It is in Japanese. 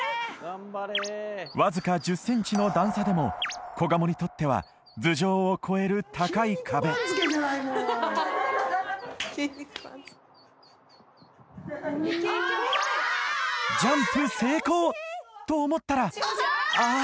わずか１０ｃｍの段差でも子ガモにとっては頭上を超える高い壁ジャンプ成功！と思ったらああ